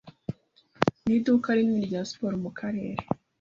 Ni iduka rinini rya siporo mu karere.